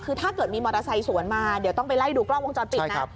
คือถ้าเกิดมีมอเตอร์ไซค์สวนมาเดี๋ยวต้องไปไล่ดูกล้องวงจรปิดนะ